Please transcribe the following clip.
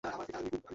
খোলাই যাচ্ছে না!